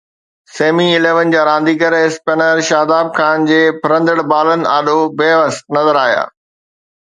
Semi اليون جا رانديگر اسپنر شاداب خان جي ڦرندڙ بالن آڏو بيوس نظر آيا.